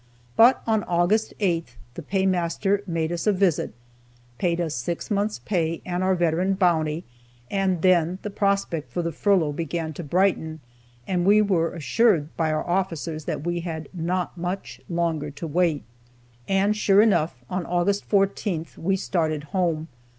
But on August 8th the paymaster made us a visit, paid us six months' pay and our veteran bounty, and then the prospect for the furlough began to brighten, and we were assured by our officers that we had not much longer to wait. And sure enough, on August 14th we started home.